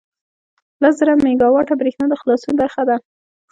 لس زره میګاوټه بریښنا د خلاصون برخه ده.